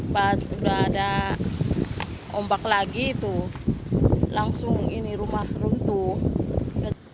pas udah ada ombak lagi itu langsung ini rumah runtuh